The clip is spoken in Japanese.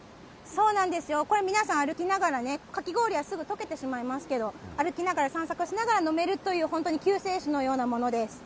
そうなんですよ、これ皆さん、歩きながらね、かき氷は溶けてしまいますけど、歩きながら、散策しながら飲めるという、本当に救世主のようなものです。